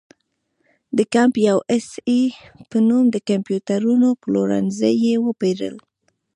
د کمپ یو اس اې په نوم د کمپیوټرونو پلورنځي یې وپېرل.